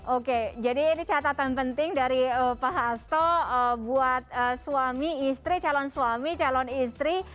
oke jadi ini catatan penting dari pak hasto buat suami istri calon suami calon istri